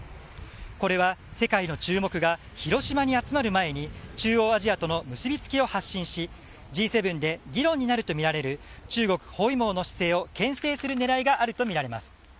これは世界の注目が広島に集まる前に中央アジアとの結びつきを発信しＧ７で議論になるとみられる中国包囲網の姿勢をけん制する狙いがあるとみられます。